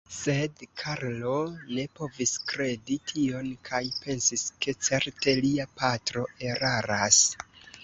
Sed Karlo ne povis kredi tion kaj pensis, ke certe lia patro eraras.